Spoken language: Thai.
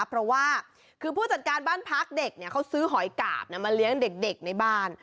เพราะว่าคือผู้จัดการบ้านพักเด็กเขาซื้อหอยกาบมาเลี้ยงเด็กในบ้าน